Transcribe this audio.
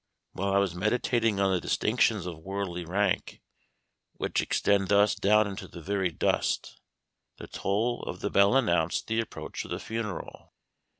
While I was meditating on the distinctions of worldly rank, which extend thus down into the very dust, the toll of the bell announced the approach of the funeral.